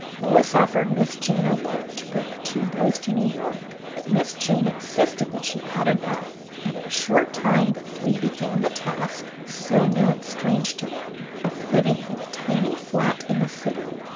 Lois offered Miss Jane a loan to bring the two boys to New York, but Miss Jane insisted that she had enough, and in a short time the three began the task, so new and strange to them, of living in a tiny flat in the city.